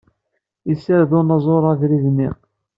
Yessared unẓar abrid-nni.